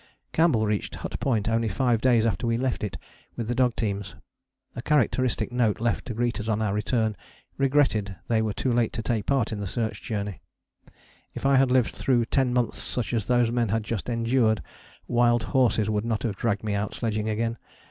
Campbell reached Hut Point only five days after we left it with the dog teams. A characteristic note left to greet us on our return regretted they were too late to take part in the Search Journey. If I had lived through ten months such as those men had just endured, wild horses would not have dragged me out sledging again.